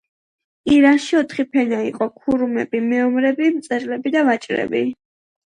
მათ დაამარცხეს საუდები და აიძულეს დევნილობაში წასულიყვნენ, ჯერ ბაჰრეინში, შემდეგ ყატარში, ხოლო შემდეგ ქუვეითში.